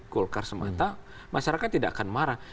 golkar semata masyarakat tidak akan marah